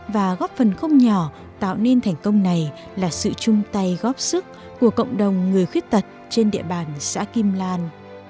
và góp phần không nhỏ tạo nên thành công này là sự chung tay góp sức của cộng đồng người khuyết tật trên địa bàn xã kim lan